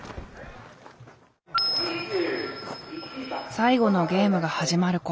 最後のゲームが始まる頃。